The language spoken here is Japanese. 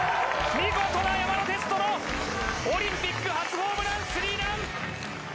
見事な山田哲人のオリンピック初ホームランスリーラン！